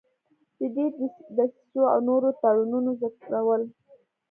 د دې دسیسو او نورو تړونونو ذکرول.